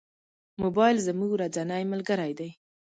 موبایل زموږ ورځنی ملګری دی.